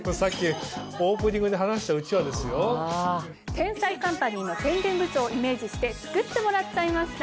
『天才‼カンパニー』の宣伝部長をイメージして作ってもらっちゃいました！